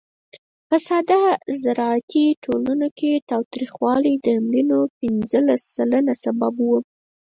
په ساده زراعتي ټولنو کې تاوتریخوالی د مړینو پینځلس سلنه سبب و.